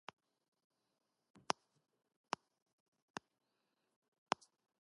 Indeed, different authorities may offer diametrically opposed opinions based on their own understanding.